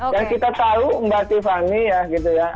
dan kita tahu mbak tiffany